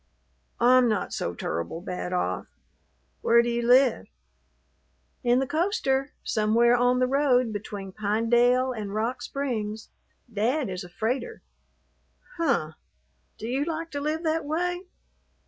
"I'm not so tur'ble bad off. Where do you live?" "In the coaster, somewhere on the road between Pinedale and Rock Springs. Dad is a freighter." "Huh! Do you like to live that way?"